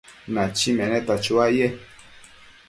Nachi meneta chuaye